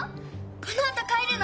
このあとかえるの？